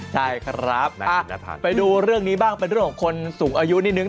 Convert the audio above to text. ใช่ครับไปดูเรื่องนี้บ้างเป็นเรื่องของคนสูงอายุนิดนึง